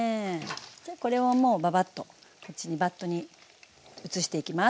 じゃあこれをもうババッとこっちにバットに移していきます。